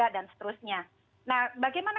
dan seterusnya nah bagaimana